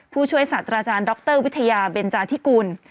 ผู้ช่วยศาสตราจารย์ดรวิทยาเบนจาธิกุล